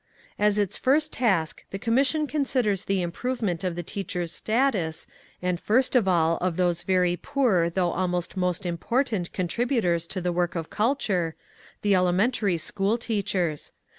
As its first task the Commission considers the improvement of the teachers' status, and first of all of those very poor though almost most important contributors to the work of culture—the elementary school teachers.